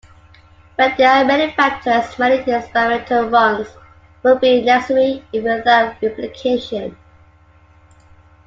When there are many factors, many experimental runs will be necessary, even without replication.